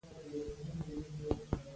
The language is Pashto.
بلکې غوښتل یې چې ټول دیر لاندې کړي.